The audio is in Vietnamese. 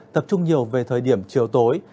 tập trung nhiều về thời điểm chiều tối